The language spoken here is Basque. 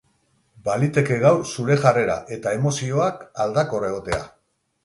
Baliteke gaur zure jarrera eta emozioak aldakor egotea.